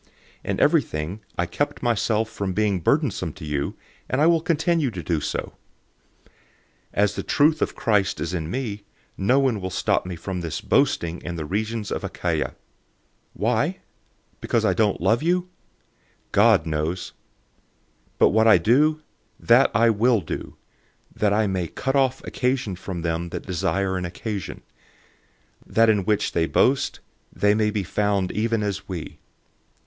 In everything I kept myself from being burdensome to you, and I will continue to do so. 011:010 As the truth of Christ is in me, no one will stop me from this boasting in the regions of Achaia. 011:011 Why? Because I don't love you? God knows. 011:012 But what I do, that I will do, that I may cut off occasion from them that desire an occasion, that in which they boast, they may be found even as we.